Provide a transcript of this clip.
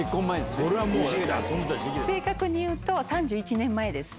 正確に言うと３１年前です。